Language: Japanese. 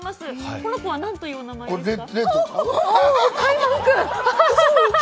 この子は何という名前ですか？